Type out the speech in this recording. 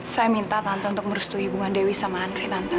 saya minta tante untuk merestui hubungan dewi sama andri tante